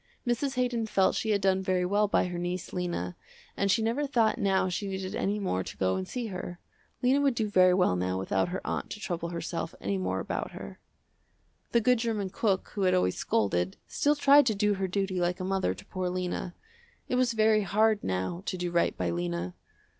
Mrs. Haydon felt she had done very well by her niece, Lena, and she never thought now she needed any more to go and see her. Lena would do very well now without her aunt to trouble herself any more about her. The good german cook who had always scolded, still tried to do her duty like a mother to poor Lena. It was very hard now to do right by Lena.